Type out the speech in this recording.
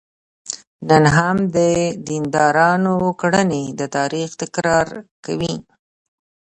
نن هم د دیندارانو کړنې د تاریخ تکرار کوي.